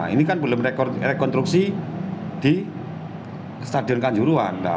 ini kan belum rekonstruksi di stadion kanjuruan